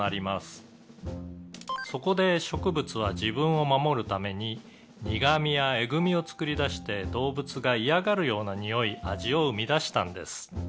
「そこで植物は自分を守るために苦みやえぐみを作り出して動物が嫌がるようなにおい味を生み出したんです」